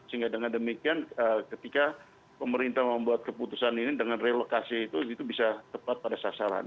sehingga dengan demikian ketika pemerintah membuat keputusan ini dengan relokasi itu bisa tepat pada sasaran